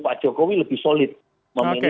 pak jokowi lebih solid memilih